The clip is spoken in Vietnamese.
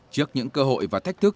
trước những cơ hội và thách thức